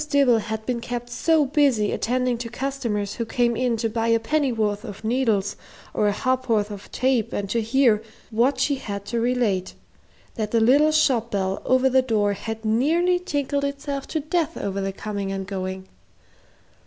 Dibble had been kept so busy attending to customers who came in to buy a pennyworth of needles or a ha'porth of tape and to hear what she had to relate, that the little shop bell over the door had nearly tinkled itself to death over the coming and going.